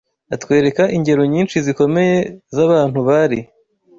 Atwereka ingero nyinshi zikomeye z’abantu bari